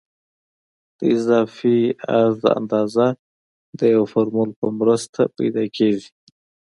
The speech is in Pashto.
د اضافي عرض اندازه د یو فورمول په مرسته پیدا کیږي